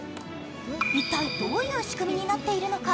一体どういう仕組みになっているのか。